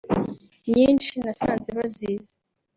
nyinshi nasanze bazizi